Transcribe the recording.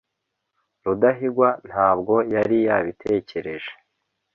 rudahigwa ntabwo yari yabitekereje